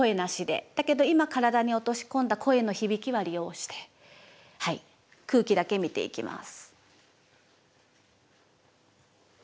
だけど今体に落とし込んだ声の響きは利用して空気だけ見ていきます。